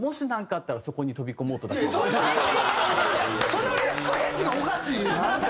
そのリスクヘッジがおかしい。